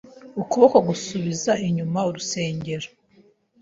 Ukuboko Gusubiza inyuma urusengero